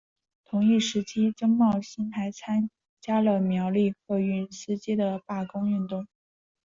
同一时期曾茂兴还参加了苗栗客运司机的罢工运动。